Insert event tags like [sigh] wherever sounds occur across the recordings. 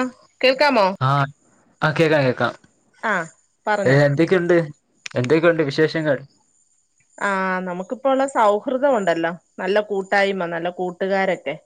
ആ കേൾക്കാമോ ആഹ ആഹ കേക്കാം കേക്കാം ആഹ് പറഞ്ഞോ ണ്ട് എന്തൊക്കെയുണ്ട് വിശേഷങ്ങൾ ആഹ നമുക്കിപ്പോള്ള സൗഹൃദ ഉണ്ടല്ലോ നല്ല കൂട്ടായ്മ നല്ല കൂട്ടുകാരൊക്കെ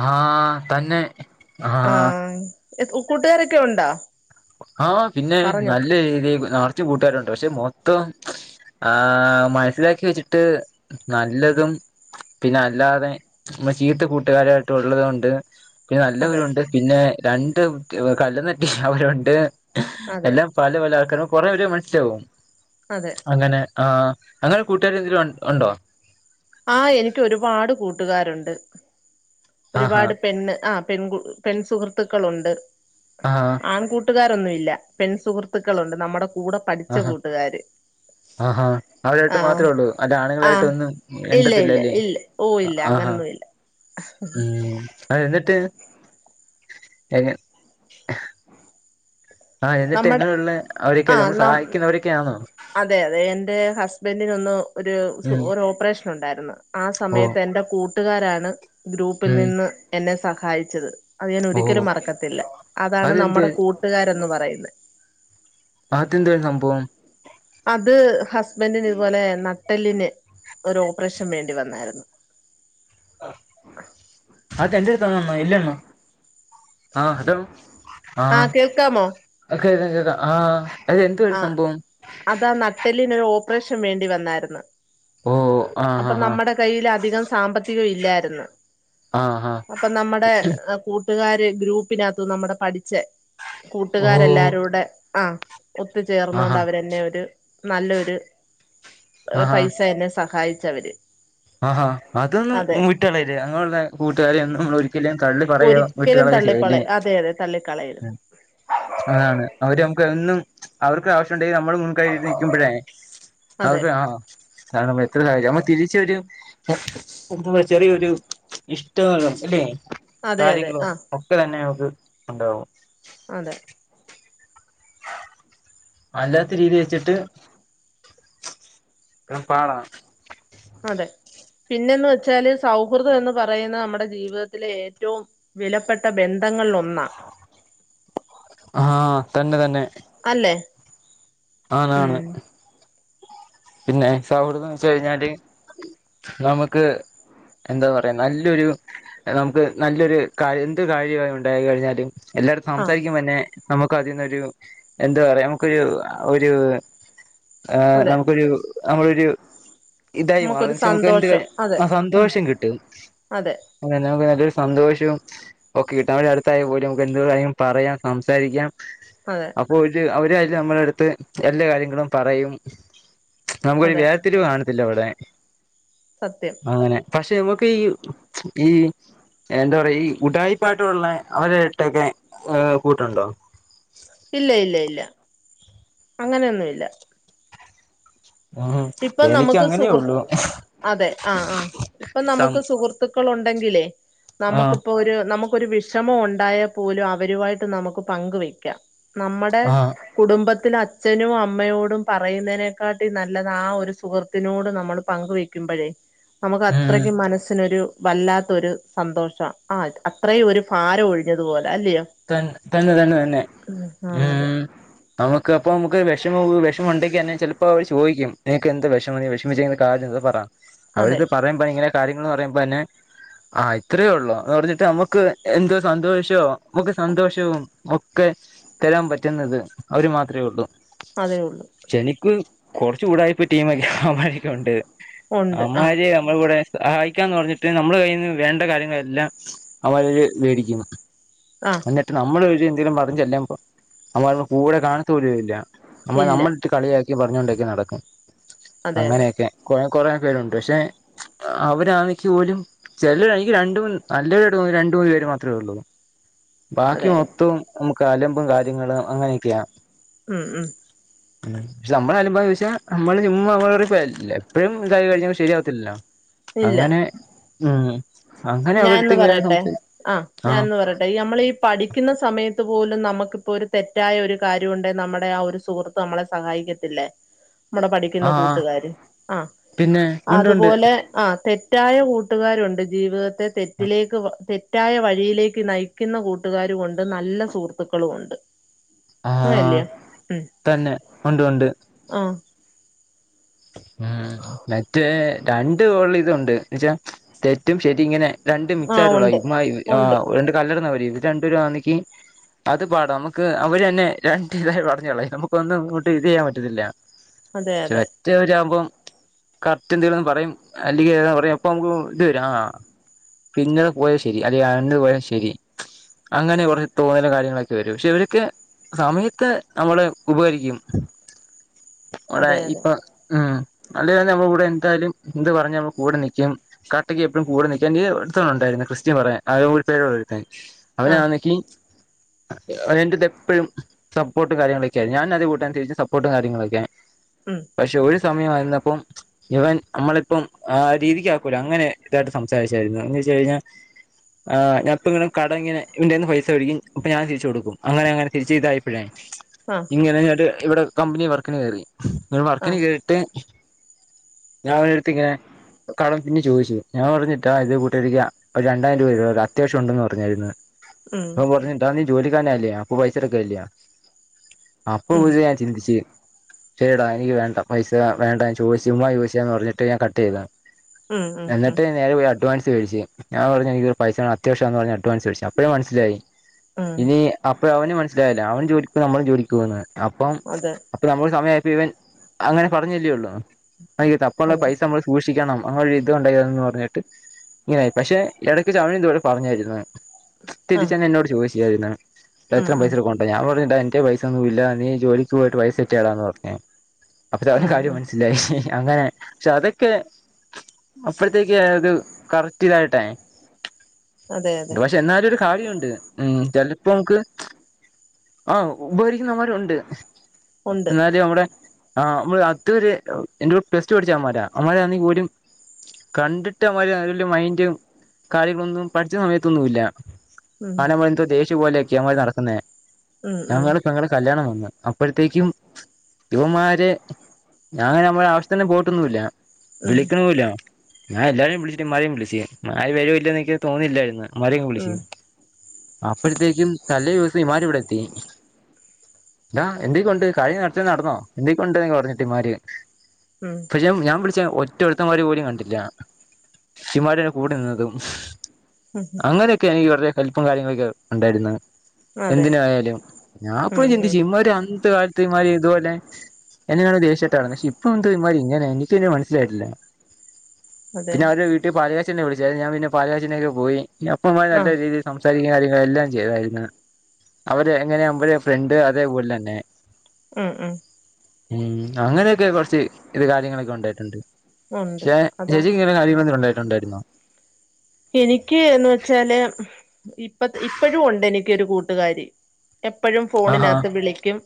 ആഹ തന്നെ ആ ആഹ് കൂട്ടുകാരൊക്കെ ഉണ്ടോ ആഹ് പിന്നെ പറഞ്ഞോ നല്ല രീതി നർച്ചും കൂട്ടുകാരുണ്ട് പക്ഷെ മൊത്തം ആഹ് മനസ്സിലാക്കി വെച്ചിട്ട് നല്ലതും പിന്നെ അല്ലാതെ നമ്മ ചീത്ത കൂട്ടുകാരായിട്ട് ഉള്ളതു കൊണ്ട് പിന്നെ അതെ നല്ലവരുണ്ട് പിന്നെ രണ്ട് കല്ലനട്ടി അവരുണ്ട് അതെ എല്ലാം പല പല ആൾക്കാരും കുറെ പേരെ മനസ്സിലാവും അതെ അങ്ങനെ ആഹ് അങ്ങനെ കൂട്ടുകാര എന്തെലും ഉണ്ടോ ആഹ് എനിക്ക് ഒരുപാട് കൂട്ടുകാരുണ്ട് ആഹാ ഒരുപാട് പെണ് ആഹ് പെൺകു പെൺ സുഹൃത്തുക്കളുണ്ട് ആഹ് ആൺകൂട്ടുകാരൊന്നു ഇല്ല പെൺ സുഹൃത്തുക്കളുണ്ട് നമ്മുടെ കൂടെ പഠിച്ച ആഹാ കൂട്ടുകാര് ആഹാ അവിരൊയിട്ട് ആഹ് മാത്രേ ഉള്ളൂ അല്ല ആണുങ്ങളായിട്ട് ആഹ് ഒന്നും ഇല്ല ഇല്ല എണ്ടത്തില്ലല്ലേ ഇല്ല ഓ ഇല്ല ആഹാ അങ്ങനൊന്നും ഇല്ല ഉം അത് എന്നിട്ട് ആഹ് എന്നിട്ട് നമ്മുടെ എങ്ങനെയുള്ള അവരൊക്കെയ നമ്മൾ ആഹ് സഹായിക്കുന്നവരൊക്കെയാണോ അതെ അതെ എന്റെ ഹസ്ബൻറിനൊന്ന് ഒരു ഉം ഒരു ഓപ്പറേഷൻ ഉണ്ടായിരുന്നു ആഹ് ഓ സമയത്ത് എറെ കൂട്ടുകാരാണ് ഗ്രൂപ്പിൽ ഉം നിന്ന് എന്നെ സഹായിച്ചത് അത് ഞാൻ ഓ ഒരിക്കലും മറക്കത്തില്ല അതാണ് നമ്മുടെ കൂട്ടുകാരന്ന് പറയുന്നത് ആത്ത് എന്തര സംഭവം അത് ഹസ്ബൻറിന് ഇതുപോലെ നട്ട്ടെലിന് ഒരു ഓപ്പറേഷൻ വേണ്ടി വന്നായിരുന്നു ആഹ് അക്ക എന്തത്തന്ന എല്ലയ്ണ ആഹ് അതാണ് ആ ആഹ് കേൾക്കാമോ കേക്ക കേക്ക ആഹ് ആഹ് അതാ നട്ടലിനൊരു ഓപ്പറേഷൻ വേണ്ടി വന്നായിരുന്നു ഓഹ് അപ്പൊ നമ്മുടെ കൈയിൽ അധികം സാമ്പത്തികം ഇല്ലായിരുന്നു ആഹ് അപ്പൊ നമ്മുടെ കൂട്ടു കൂട്ടുകാര് ഗ്രൂപ്പിനകത്ത നമ്മടെ പഠിച്ച ഓ കൂട്ടുകാരെല്ലാരൂടെ ആഹ് ഒത്തുചേർന്ന കൊണ്ട് ആഹാ അവരെന്നെ ഒരു നല്ലൊരു ആഹാ പൈസ എന്നെ സഹായിച്ചു ച്ചവര് ആഹാ അതൊന്നും വിട്ടുകളയല്ലേ അങ്ങനെയുള്ളള്ള കൂട്ടുകാരെയൊന്നും നമ്മളൊ രിക്കലും തള്ളി കളയൊ വിട്ട ഒരിക്കലും കളയോ ചെയ്യല തള്ളിപ്പളയ അതെ അതെ തള്ളിക്കളയരുത് അതാണ് അവര് നമുക്ക് എന്നും അവർക്ക ആവശ്യംണ്ടെങ്കിൽ നമ്മള് നക്കുമ്പോഴേ അതെ അവക്ക് ആഹ് എത്ര സാഹര്യം നമ്മ തിരിച്ചരു എ ചെറിയൊരു ഇഷ്ടോ അല്ലെ അതെ അതെ കാര്യങ്ങളോ ആഹ് ക്കെ തന്നെ നമുക്ക് ഉണ്ടാവും അതെ അല്ലാത്ത രീതി വെച്ചിട്ട് പാടാ അതെ പിന്നെന്ന് വെച്ചാല് സൗഹൃദം എന്ന് പറയുന്ന നമ്മുടെ ജീവിതത്തിലെ ഏറ്റവും വിലപ്പെട്ട ബന്ധങ്ങളിൽ ഒന്നാ [inaudible] ആഹ് തന്നെ തന്നെ അല്ലേ ആണ് പിന്നെ സൗഹൃദം എന്ന് വെച്ചു കഴിഞ്ഞാല് നമുക്ക് എന്താ പറയാ നല്ലൊരു നമുക്ക് നല്ലൊരു എന്ത് കാര്യമായി ഉണ്ടായി കഴിഞ്ഞാലും എല്ലാരും ആഹ് സംസാരിക്കുമ്പോന്നെ നമുക്ക് അതിന്നൊരു എന്താ പറയാ നമുക്കൊരു ഒരു ആഹ് അതെ നമുക്കൊരു നമ്മളൊരു ഇതായി നമുക്കൊരു മാറും നമുക്ക് എന്ത് സന്തോഷം അതെ ഉം സന്തോഷം കിട്ടും അതെ അത് നമുക്ക് നല്ലൊരു സന്തോഷവും ഓക്കെ കിടന്റെ അടുത്തായ പോലും നമുക്ക് എന്തോവേണേലും പറയാം സംസാരിക്കാം അതെ അപ്പോ ഒരു അവരായാലും നമ്മുടെ അടുത്ത് എല്ലാ കാര്യങ്ങളും പറയും നമുക്കൊരു വ അതെ ത്തിരിവ് കാണത്തില്ല അവിടെ സത്യം അങ്ങനെ പക്ഷെ നമുക്ക് ഈ ഈ എന്താ പറയാ ഈ ഉടായിപ്പായിട്ടുള്ള അവരട്ടൊക്കെ കൂട്ടുണ്ടോ? ഇല്ല ഇല്ല ഇല്ല അങ്ങനെയൊന്നുല്ല. ഉം ഇപ്പൊ എനിക്ക് നമുക്ക് അങ്ങനെയുള്ളൂ സുഹൃത്ത് അതെ ആ ആ ഇപ്പൊ സം നമുക്ക് സുഹൃത്ത് തൃക്കളുണ്ടെങ്കിലേ ആഹ് നമക്കിപ്പോരു നമുക്ക് ഒരു വിഷമം ഉണ്ടായാ പോലും അവരുമായിട്ട് നമക്ക് പങ്കുവെക്കാം. നമ്മടെ ആഹ് കുടുംബത്തിൽ അച്ഛനും അമ്മയോടും പറയുന്നതിനേക്കാട്ടി നല്ല അല്ലാതെ ആ ഒരു സുഹൃത്തിനോട് നമ്മൾ പങ്ക് വെക്കുമ്പോഴേ നമുക്ക് ഉം അത്രയ്ക്കും മനസ്സിനൊരു വല്ലാത്തരു സന്തോഷ ആ അത്രയും ഒരു ഭാരം ഒഴിഞ്ഞതുപോലെ അല്ല്യോ? തന്ന തന്നെ തന്നെ തന്നെ അതെ ഉം നമുക്ക് അപ്പൊ നമുക്ക് വിഷമ വിഷമ ഉണ്ടെങ്കി തന്നെ ചിലപ്പോ അവ ചോദിക്കും നിനക്ക് എന്ത വിഷമ വിഷമിച്ച കാര്യം എന്താ പറ അതെ അവിര്ത് പറയാൻ ഭയങ്കരെ കാര്യങ്ങൾ പറയുമ്പോ തന്നെ ആ ഇത്രയേ ഉള്ളൂ എന്ന് പറഞ്ഞിട്ട് നമക്ക് എന്തോ സന്തോഷോ നമക്ക് സന്തോഷവും ഒക്കെ തരാൻ പറ്റുന്നത് അവര് മാത്രെ ഉള്ളൂ. അതേ ഉള്ളൂ ചെനിക്ക് കുറച് ഉടായിപ് ട്ടീമ ഒക്കെ അവമാരൊക്കെണ്ട് ഉണ്ട് ആഹ് അവമ്മാര് നമ്മളിവിടെ സഹായിക്കാന്ന് പറഞ്ഞിട്ട് നമ്മൾ കയ്യിന്ന് വേണ്ട കാര്യങ്ങളെല്ലാം അവമ്മര് മേടിക്കു ആഹ് എന്നിട്ട് നമ്മൾ ഒരു എന്തെങ്കിലും പറഞ് ചേ ല്ലുമ്പോ അവമ്മാര് നമ്മള കൂടെ കാണാ പോലല്ല നമ്മൾ ഇല്ല നമ്മ കളിയാക്കി പറഞ്ഞൊണ്ടക്കെ നടക്കും അതെ അതെ അതെ അങ്ങനെയക്കെ കൊ കൊറ പേരുണ്ട് പക്ഷെ അവരാമക്ക് പോലും ചില എനിക്ക് നല്ലവരു രണ്ട് മൂന്ന് പേര് മാത്രമേ ഉള്ളൂ. ബാക്കി അതെ മൊത്തവും നമക്ക് അലമ്പ് കാര്യങ്ങളും അങ്ങനെയൊക്കെയാ ഉം ഉം പിന്നെ പക്ഷെ നമ്മള് അനുഭവംചോയ്ച്ച നമ്മള് ചുമ്മാ എപ്പോഴും ഇതായിക്കായിഞ്ഞ ശരിയാവത്തില്ലല്ലോ? അങ്ങനെ ഉം അങ്ങനെ അവരടുത്ത് ഞാനന്ന് ഇങ്ങനെ പറയട്ടെ സംസാരി ആ ഞാനന്ന് പറയട്ടെ ഈ നമ്മളീ പഠിക്കുന്ന സമയത്ത് പോലും നമക്കിപ്പോൾ ഒരു തെറ്റായ ഒരു കാര്യമുണ്ട് നമ്മടെ ആ ഒരു സുഹൃത്ത് നമ്മളെ സഹായിക്കത്തില്ലേ? [inaudible] നമ്മടെ പഠിക്കുന്ന ആ കൂട്ടുകാര് ആഹ് പിന്നെ ഉണ്ട് ഉണ്ട് അതുപോലെ ആ തെറ്റായ കൂട്ടുകാരുണ്ട് ജീവിതത്തി ത്തെ തെറ്റിലേക്ക് തെറ്റായ വഴിയിലേക്ക് നയിക്കുന്ന കൂട്ടുകാരൂണ്ട് നല്ല സുഹൃത്തുക്കളും ഉണ്ട്. ആഹ് അങ്ങനല്ലിയോ ഉം തന്നെ ഉണ്ട് ഉണ്ട്. ആഹ് ഉം മറ്റേ രണ്ട് ഗോള് ഇതുണ്ട് എന്നച്ചാ തെറ്റും ശരി ഇങ്ങനെ രണ്ട് മിക്സ് ആഹ് ഉണ്ട് ആയിട്ടുള്ളഇവമ്മാര് ഉണ്ട് രണ്ട് കല്ലർന്നവര് ഇത് രണ്ടരുന്നെക്കി അത് പാടാം നമക്ക് അവര് തന്നെ രണ്ട് ഇതായി പറഞ്ഞോളെ നമുക്കൊന്നും ഇങ്ങോട്ട് ഇതയ്യാൻ പറ്റന്നില്ല. അതെ ചൊവ്വ അതെ [unintelligible] അപ്പൊ നമുക്ക് ഇത് വരും ആ പിന്നെ പോയത് ശരി അല്ലെ അകന്ന് പോയൽ ശരി. അങ്ങനെ കോറെ തോന്നലും കാര്യങ്ങളൊക്കെ വരും പക്ഷെ ഇവരോക്കെ സമയത്ത് നമ്മള് ഉപകരിക്കും ഇവടെ അതെ അതെ ഉം അല്ല നമ്മൾ കൂടെ എന്തായാലും എന്ത് പറഞ്ഞ് നമ്മ കൂടെ നിക്കും കട്ടയ്ക്ക് എപ്പഴും കൂടെ നി ക്കാണ്ട ഒരുടുത്തവ ഉണ്ടായിരുന്നു ക്രിത്യൻ പറയാൻ അവരുടെ പേര് പറയട്ടെ? ആഹ് അവനാണക്കി അവ എന്റത് എപ്പഴും സപ്പോർട്ടും കാര്യ ങ്ങളൊക്കെ ഞാൻ [unintelligible] സപ്പോർട്ടും കാര്യ ങ്ങളൊക്കെയാണ് ഉം പക്ഷെ ഒരു സമയമായിരുന്നപ്പം ഇവൻ നമ്മളിപ്പം ആ രീതിക്ക് ആക്കൂലെ അങ്ങനെ ഇതായിട്ട് സംസാരിച്ചായിരുന്നു എന്ന് വെച്ചകഴിഞ്ഞാൽ ആഹ് ഞാപ്പ ഇങ്ങന കടങ്ങനെഇവന്റെഎന്ന് പൈസ വെടിക്കും അപ്പ ഞാൻ തിരിച്ച് കൊടുക്കും അങ്ങനെ അങ്ങനെ തിരിച്ച് ഇതായിപ്പോഴേ ആഹ് ഇങ്ങനെങ്ട്ട് ഇവിടെ കമ്പനി വർക്കിന് കയറി ഇങ്ങ്ട്ട് വർ ആഹ് ട്ട് ഞാൻ ഇവന്റടുത്തിങ്ങനെ കടം പിന്നെ ചോദിച്ചു ഞാൻ പറഞ്ഞിട്ടാ ഇത് കൂട്ടാരിക്കാ ഒരു രണ്ടയിരം രൂപ തര്യോ ടാ അത്യാവശ്യം ഉണ്ടന്ന് പറഞ്ഞായിരുന്നു ഉം [unintelligible] നീ ജോലിക്കാരല്ലേ. അപ്പം പൈസെടുക്കാനില്ല അപ്പൊ ഉം പുടിച്ചു ഞാൻ ചിന്തിച്ച് ശരിടാ എനിക്ക് വേണ്ട പൈസ വേണ്ട ചോദിച്ചു ചുമ്മാ ചോദിച്ചാന്ന് പറഞ്ഞിട്ട് ഞാൻ കട്ട് ചെയ്തതാണ് ഉം ഉം ഉം എന്നിട്ട് നേരെ പോയി അഡ്വാൻസ് മേടിച്ചു ഞാൻ പറഞ്ഞു എനിക്കരു പൈസാണ് അത്യാവശ്യം എന്ന് പറഞ്ഞഞ് അഡ്വാൻസ് മേടിച്ചു അപ്പോഴ മനസ്സിലായി ഉം ഇനി അപ്പൊ അവന് മനസ്സിലായില്ല അവനും ജോലിക്ക് പോകാണ് നമ്മളൾ ജോലിക്ക് പോകാണ് അപ്പം അതെ അപ്പൊ നമ്മൾ സമയയപ്പോ ഇവൻ അങ്ങനെ പറഞ്ഞില്ലേള്ളൂ [unintelligible] തപ്പാനുള്ള അതെ പൈസ നമ്മൾ സൂക്ഷിക്കണം അങ്ങനെ ഒരു ഇത് ഉണ്ടായന്ന് പറഞ്ഞിട്ട് ഇങ്ങനൊ ആയി പക്ഷെ ഇടയ്ക്ക് [unintelligible] ഇവിടെ പറഞ്ഞായിരുന്നു തിരിച്ച് ആഹ് എന്നോട് ചോദിച്ചായിരുന്ന ഉം എത്ര ഉം പൈസക്കണ്ട അപ്പ ഞാൻ പറഞ്ഞട്ടാ എന്റെ പൈസ ഒന്നുമല്ല നീ ജോലിക്ക് പോയിട്ട് പൈസ ഇട്ടാന്ന് പറഞ്ഞേ അപ്പം അവനു ഉം കാര്യം ഉം മനസ്സിലായി അങ്ങനെ പക്ഷെ അതൊക്കെ അപ്പഴത്തേക്ക് അത് കറക്റ്റ് ഇതായിട്ടാണ് അതെ അതെ പക്ഷെ എന്നാലും ഒരു കാര്യം ഉണ്ട് ഉം ചിലപ്പോ നമുക്ക് ആഹ് ഉപകരിക്കുന്നവരുണ്ട് ഉണ്ട് എന്നാലും നമ്മടെ ആഹ് വടെ അടുത്ത് ഒരു പ്ലസ് ടു പഠിച്ച അവമ്മാര അവമ്മമാരെ പോലും കണ്ടിട്ട് മാതിരി വല്യ മൈന്ഡും കാര്യങ്ങളൊന്നും പഠിച്ച സമയത്തൊന്നുമില്ല ഉം ആണമ്മ എന്ത വേഷ്യ പോലെയക്കി ഞമ്മേ നടക്കുന്നേ ഉം ഉം ഞങ്ങളുടെ പെങ്ങടെ കല്യാണം വന്നു അപ്പൊ അപ്പോഴത്തേക്കും ഇവന്മാരെ ഞങ്ങനെ നമ്മുടെ അവശ്യത്തിന് പോയിട്ടൊന്നും ഇല്ല ഉം വിളിക്കണും ഇല്ല ഞാൻ എല്ലാരേം വിളിച്ചിട്ട് ഇവമ്മാരേം വിളിച്ച് ഇവന്മാര് വരൂല്ല എനിക്ക് തോന്നില്ലായിരുന്നു ഇവന്മാരെ ഉം വിളിച്ച് അപ്പഴത്തേക്കും തലേ ദിവസം ഇവമ്മാര് ഇവിടെ എത്തി എടാ എന്തൊക്കൊണ്ട് കഴിഞ്ഞ നടന്നോ എന്തൊക്കൊണ്ട് പറഞ്ഞിട്ട് ഇവന്മാര് ഉം പക്ഷെ ഞാൻ വിളിച്ച ഒറ്റ ഒരുത്തന്മാര് പോലും കണ്ടില്ല ഇവന്മാര് കൂടെ നിന്നതും ഉം അങ്ങനെയൊക്കെ എനിക്ക് കുറച്ച് കലിപ്പും കാര്യങ്ങളൊക്കെ ഉണ്ടായിരുന്നു അതെ എന്തിന് ആയാലും ഞാൻ ഉം അപ്പഴും ഉം ചിന്തിച്ചു ഇമാരി അത്തെ കാലത്ത് ഇമാരി ഇതുപോലെ [unintelligible] ദേശട്ടാണ്ക്ഷെ ഇപ്പൊ എന്ത് ഇവന്മാർ ഇങ്ങനെ എനിക്ക് തന്നെ മനസ്സിലായിട്ടില്ല അതെ പിന്നെ അവരു വീട്ടിൽ പാലാച്ചലിന് വിളിച്ചത് ഞാൻ പിന്ന പാലാച്ച് പോയി അപ്പ അവന്മാർ നല്ല ആഹ് രീതിൽ സംസാരിക്കുന്ന കാര്യങ്ങളെല്ലാം ചെയ്തായിരുന്നു അവര് എങ്ങനെ നമ്മടെ ഫ്രണ്ട് അതേപോലെ തന്നെ ഉം ഉം ഉം അങ്ങനെയൊക്കെ കുറച്ച് ഇത് കാര്യങ്ങളൊക്കെ ഉണ്ടായിട്ടുണ്ട് ഉണ്ട് പക്ഷെ അതാ ചേച്ചിക്ക് ഇങ്ങനെ കാര്യങ്ങൾ ഉണ്ടായിട്ടുണ്ടായിരുന്നോ എനിക്ക് എന്ന് വെച്ചാല് ഇപ്പ ഇപ്പോഴും ഉണ്ട് എനിക്ക് ഒരു കൂട്ടുകാരി എപ്പോഴും ആഹാ ഫോണിനകത്ത് വിളിക്കും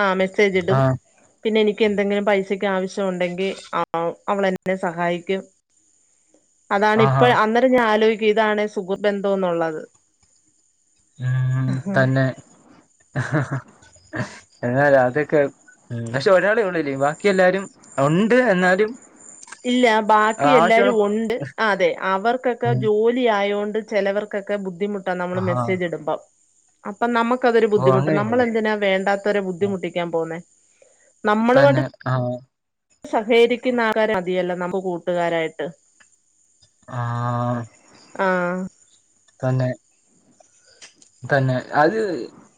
ആഹ് മെസ്സേജ് ഇടും ആഹ് പിന്നെ എനിക്ക് എന്തെങ്കിലും പൈസക്ക് ആവശ്യം ഉണ്ടെങ്കിൽ ആഹ് അവള എന്നെ സഹായിക്കും അതാണ് ആഹാ ഇപ്പോൾ അന്നത്തെ ഞാൻ ആലോചിക്കും ഇതാണ് സുഹൃത്ബന്ധം എന്നുള്ളത് ഉം തന്നെ എന്നാൽ അതൊക്കെ ഉം പക്ഷെ [unintelligible] ബാക്കി എല്ലാരും ഉണ്ട് എന്നാലും ഇല്ല ബാക്കി ആവശ്യമുള്ള എല്ലാരും ഉണ്ട് അതെ അവർക്കൊക്കെ ജോലി ഉം ജോലി ആയതോണ്ട് ചിലവർക്കൊക്കെ ബുദ്ധിമുട്ടാ നമ്മള് ആഹാ മെസ്സേജ് ഇടുമ്പം അപ്പൊ നമുക്കതൊരു ഓ ബുദ്ധിമുട്ട് നമ്മൾ അങ്ങനെയൊക്കെണ്ട് എന്തിനാ വേണ്ടാത്തവരെ ബുദ്ധിമുട്ടിക്കാൻ പോകുന്നേ [unintelligible] സഹകരിക്കുന്ന ആരാ [unintelligible] നമ്മ കൂട്ടുകാരായിട്ട് ആഹ് ആഹ് തന്നെ തന്നെ അത്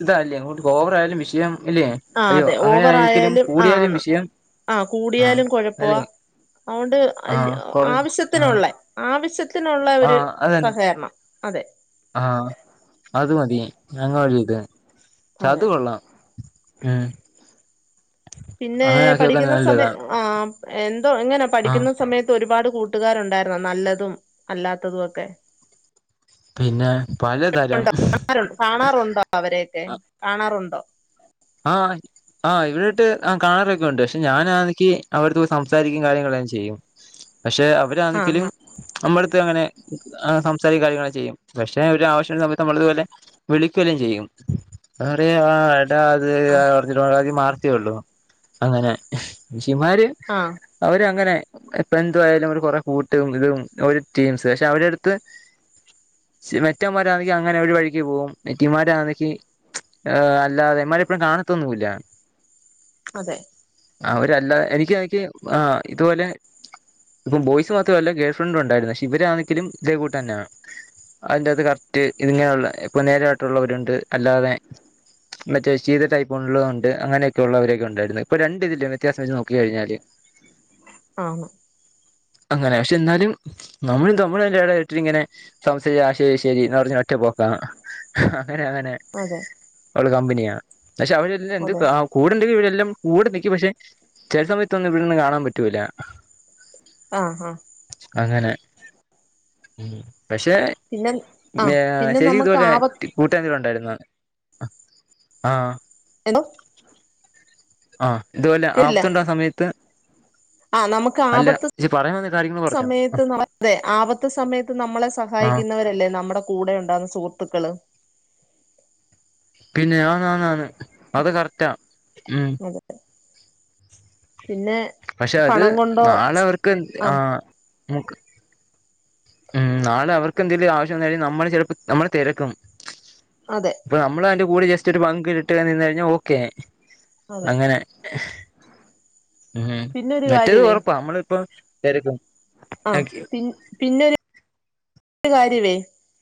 ഇതല്ലേ അങ്ങോട്ട് കോവറ ആയാലും വിഷയം ഇല്ലേ ആഹ് അയ്യോ അതെ അങ്ങനെ ആയിരിക്കലും ഓവറായാലും കൂടിയാലും ആന്ന് വിഷയം ആഹ് ആഹ് കൂടിയാലും കൊഴപ്പവാ അല്ലെ അതൊണ്ട് ആഹ് കൊറ ആഹ് ആവശ്യത്തിനുള്ളേ ആവശ്യത്തിനുള്ള ഒരു ആഹ് അതന്നെ സഹകരണം അതെ ആഹ് അത് മതി ഞങ്ങ വഴിയത് അത് അതെ കൊള്ളാം ഉം പിന്നെ അങ്ങനെ ആക്കി വെക്കാൻ പഠിക്കുന്ന നല്ലതാ സമയം ആ എന്തോ എങ്ങനാ ആഹ് പഠിക്കുന്ന സമയ ഒരുപാട് കൂട്ടുകാരുണ്ടായിരുന്ന നല്ലതും അല്ലാത്തതും ഒക്കെ പിന്നെ പലതരം കാണാറുണ്ടോ അവരെയൊക്കെ കാണാറുണ്ടോ ആഹ് ആഹ ഇവിടെട്ട് കാണാറൊക്കെ ഉണ്ട് പക്ഷെ ഞാനാനിക്ക് അവരോട്ത്ത് സംസാരിക്കും കാര്യങ്ങളെല്ലാം ചെയ്യും പക്ഷെ അവരാണെങ്കില് ആഹ് നമ്മുടെ അടുത്ത് അങ്ങനെ സംസാരിക്ക കാര്യങ്ങളൾ ചെയ്യും പക്ഷെ ഒരു ആവശ്യം സമയത്ത് നമ്മളതുപോലെ വിളിക്കല്ലും ചെയ്യും അറിയോ ആ എടാ ആഹ് [unintelligible] ആഹ അവര് അങ്ങനെ ഇപ്പൊ എന്തുവായാലും ഒരു കൊറെ കൂട്ടും ഇതും ഒരു ടീംസ് പക്ഷെ അവരെ അടുത്ത് സി മെറ്റന്മാരെ ആണെങ്കി അങ്ങനെ ഒരു വഴിക്ക് പോവും നെറ്റിമാരാണെക്കി ഏ അല്ലാതെ ഇവന്മാരെ എപ്പഴും കാണത്തൊന്നുല്ല അതെ അവര്അല്ല എനിക്ക് എനിക്ക് ആ ഇതുപോലെ ഇപ്പം ബോയ്സ് മാത്രല്ല ഗേൾ ഫ്രണ്ട് ഉണ്ടായിരുന്നു പക്ഷെ ഇവരാ ണെങ്കിലും ഇതേ കൂട്ട തന്നെയാണ് അതിന്റെകത്ത് കറക്റ്റ് ഇതിങ്ങനെയുള്ള ഇപ്പൊ നേരായിട്ടുള്ളവരുണ്ട് അല്ലാതെ ചീത ടൈപ്പ ഉള്ളത്ണ്ട് അങ്ങനെയൊക്കെ ഉവരൊക്കെ ഉണ്ടായിരുന്നു ഇപ്പോ രണ്ട ഇതില വ്യത്യാസം നോക്കി കഴിഞ്ഞാല് ആ അങ്ങനെ പക്ഷെ എന്നാലും നമ്മളും തമ്മഴും അതിന്റെ ഇട ഇട്ട് ഇങ്ങനെ സംസ ആ ശരി ശരി നറഞ്ഞ ഒറ്റ പോക്കാ അങ്ങനെ അങ്ങനെ അതെ അവള് കമ്പനിയാ പക്ഷെ അവള് ന്ന് എന്ത് അതെ ഒക്കെ ആവും കൂടെണ്ടെങ്കിൽ ഇവിരെല്ലാം കൂടെ നിക്കും പക്ഷെ ചെല സമയത്തൊന്നും ഇവിടന്നും കാണാൻ പറ്റൂല്ല ആ അ അങ്ങനെ പക്ഷെ പിന്നെ ആഹ് യാ പിന്നെ ശരി നമുക്ക് ഇതുപോലെ ആപ കൂട്ടാരെങ്കിലും ഉണ്ടായിരുന്നു ആഹ എന്തോ ആഹ് ഇതുപോലെ കേട്ടില്ല ആപത്തുണ്ട സമയത്ത് ആ നമുക്ക് അല്ല ആപത്ത് പറയാൻ വന്ന കാര്യങ്ങൾ പറഞ്ഞോ സമയത്ത് അതെ ആപത്ത് സമയത്ത് നമ്മളെ ആഹ് സഹായിക്കുന്നവരല്ലേ നമ്മുടെ കൂടെ ഉണ്ടാകുന്ന സുഹൃത്തുക്കള് പിന്നെ ആണാനാണ് അത് കറക്റ്റാ മ് അതെ പിന്നെ പക്ഷെ അത് പണം കൊണ്ടോ നാളെഅവർക്ക്- ആ ഉം നാളെ അവർക്കെന്തെങ്കിലും ആവശ്യംവന്നാൽ നമ്മള് ചിലപ്പോ നമ്മെ തിരക്കും അതെ അപ്പൊ നമ്മൾ അതിന്റെ കൂടെ ജസ്റ്റ് ഒരു പങ്ക് ഇിട്ടു കഴിഞ്ഞാൽ ഓക്കേ അതെ അങ്ങനെ മ്ഹ് പിന്നൊരു മറ്റേത് കാര്യവേ ഒറപ്പാ നമ്മള് ഇപ്പം തെരക്കും ആഹ് പിൻ പിന്നൊരു കാര്യവേ